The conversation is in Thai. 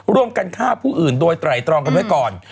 ร่วมกันฆ่าผู้อื่นโดยไตรตรองกันไว้ก่อน